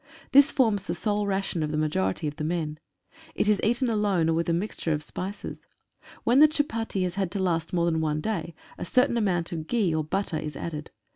This forms the sole ration of the ma jority of the men. It is eaten alone, or with a mixture of spices. When the chupatti has to last more than one day a certain amount of ghee, or butter, is added.